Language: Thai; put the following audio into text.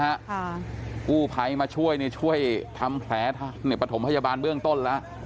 กู้ไพมาช่วยช่วยทำแผลประถมพยาบาลเบื้องต้น